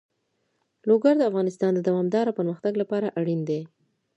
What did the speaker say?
لوگر د افغانستان د دوامداره پرمختګ لپاره اړین دي.